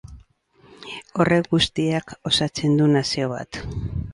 Horrek guztiak osatzen du nazio bat.